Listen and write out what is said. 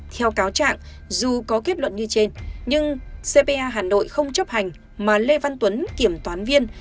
theo cáo trạng dù có kết luận như trên nhưng cpa hà nội không chấp hành mà lê văn tuấn kiểm toán viên